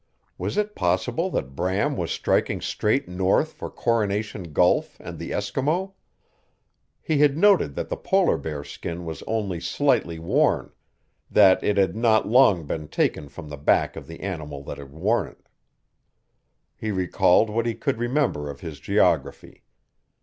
Was it possible that Bram was striking straight north for Coronation Gulf and the Eskimo? He had noted that the polar bear skin was only slightly worn that it had not long been taken from the back of the animal that had worn it. He recalled what he could remember of his geography.